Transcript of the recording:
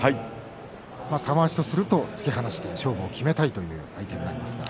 玉鷲とすると突き放して勝負を決めたいという相手になりますが。